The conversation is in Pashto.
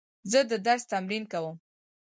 زه د درس تمرین کوم.